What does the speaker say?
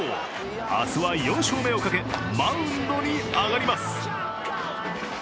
明日は４勝目をかけ、マウンドに上がります。